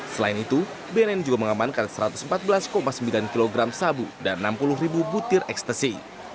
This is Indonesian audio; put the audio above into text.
selain itu bnn juga mengamankan satu ratus empat belas sembilan kg sabu dan enam puluh ribu butir ekstasi